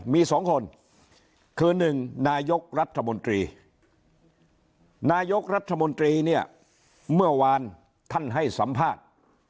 มี๒คนคือ๑นายกรัฐมนตรีนายกรัฐมนตรีเนี่ยเมื่อวานท่านให้สัมภาษณ์